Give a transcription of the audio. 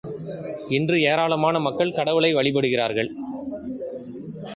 இன்று ஏராளமான மக்கள் கடவுளை வழிபடுகிறார்கள்!